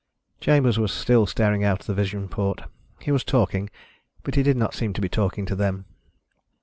Chambers was still staring out the vision port. He was talking, but he did not seem to be talking to them.